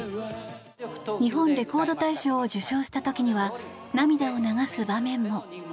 日本レコード大賞を受賞した時には涙を流す場面も。